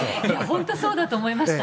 本当にそうだと思いました。